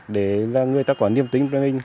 để là người ta có niềm tin với mình